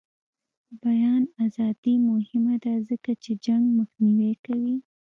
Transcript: د بیان ازادي مهمه ده ځکه چې جنګ مخنیوی کوي.